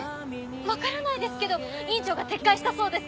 わからないですけど院長が撤回したそうです。